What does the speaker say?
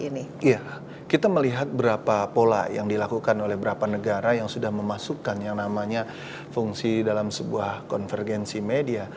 iya kita melihat berapa pola yang dilakukan oleh berapa negara yang sudah memasukkan yang namanya fungsi dalam sebuah konvergensi media